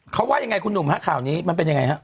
เขาว่าอย่างไรคุณหนุ่มข่าวนี้มันเป็นอย่างไรฮะ